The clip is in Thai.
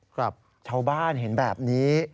ครับชาวบ้านเห็นแบบนี้